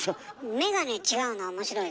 眼鏡違うの面白いですね。